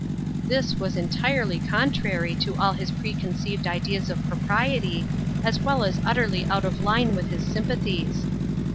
This was entirely contrary to all his precon ceived ideas of propriety, as well as utterly out of line with his sympathies.